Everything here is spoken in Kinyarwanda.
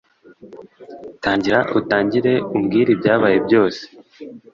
tangira utangire umbwire ibyabaye byose